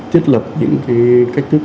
thiết lập những cái cách thức